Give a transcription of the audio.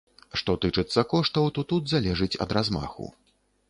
Што тычыцца коштаў, то тут залежыць ад размаху.